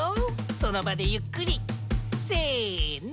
そのばでゆっくりせの！